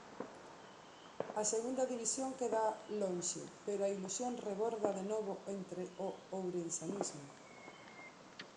A Segunda División queda lonxe, pero a ilusión reborda de novo entre o ourensanismo.